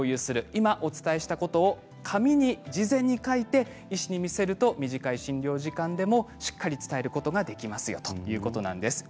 今お伝えしたことを紙に事前に書いて医師に見せると短い診療時間でもしっかり押さえることができますよということなんです。